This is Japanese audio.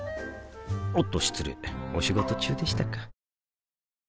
おっと失礼お仕事中でしたか